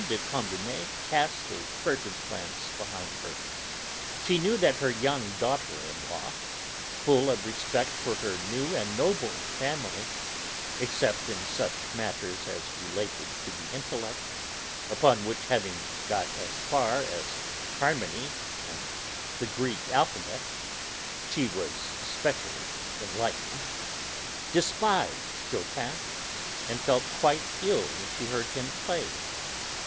de Cambremer cast a furtive glance behind her. She knew that her young daughter in law (full of respect for her new and noble family, except in such matters as related to the intellect, upon which, having 'got as far' as Harmony and the Greek alphabet, she was specially enlightened) despised Chopin, and fell quite ill when she heard him played.